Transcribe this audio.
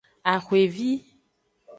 Axwevi.